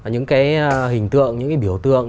những cái hình tượng những cái biểu tượng